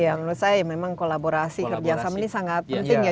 ya menurut saya memang kolaborasi kerjasama ini sangat penting ya